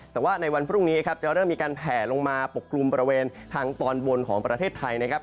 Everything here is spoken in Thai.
แต่ว่าในวันพรุ่งนี้ครับจะเริ่มมีการแผลลงมาปกกลุ่มบริเวณทางตอนบนของประเทศไทยนะครับ